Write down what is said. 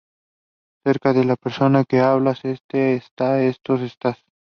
Cerca de la persona que habla: "este", "esta", "estos", "estas".